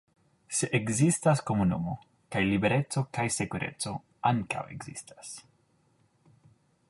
Se ekzistas komunumo, kaj libereco kaj sekureco ankaŭ ekzistas.